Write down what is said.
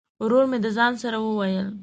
ورور مي د ځان سره وویل !